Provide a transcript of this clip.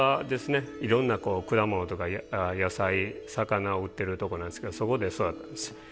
いろんな果物とか野菜魚を売ってるとこなんですけどそこで育ったんです。